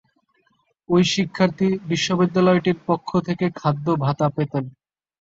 ওই শিক্ষার্থী বিশ্ববিদ্যালয়টির পক্ষ থেকে খাদ্য ভাতা পেতেন।